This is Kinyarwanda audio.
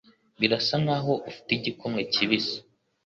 Birasa nkaho ufite igikumwe kibisi.